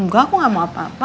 enggak aku gak mau apa apa